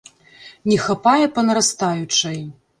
Не хапае па нарастаючай.